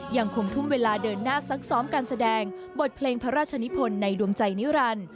ยังคงทุ่มเวลาเดินหน้าซักซ้อมการแสดงบทเพลงพระราชนิพลในดวงใจนิรันดิ์